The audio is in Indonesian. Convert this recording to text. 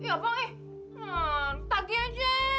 iya bang eh tagih aja